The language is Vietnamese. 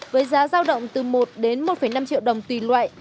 với giá giao động từ một đến một năm triệu đồng tùy loại